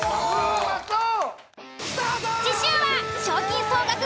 うまそう！